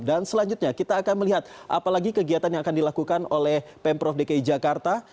dan selanjutnya kita akan melihat apalagi kegiatan yang akan dilakukan oleh pemprov dki jakarta